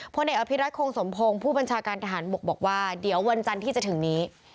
พลเอกอภิรัตคงสมพงศ์ผู้บัญชาการทหารบกบอกว่าเดี๋ยววันจันทร์ที่จะถึงนี้